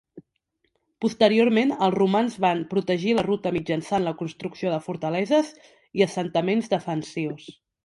Posteriorment els romans van protegir la ruta mitjançant la construcció de fortaleses i assentaments defensius.